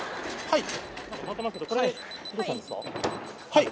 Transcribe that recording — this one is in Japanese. はい？